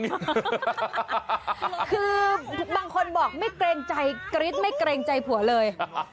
คือบางคนบอกไม่เกรงใจกรี๊ดไม่เกรงใจผัวเลย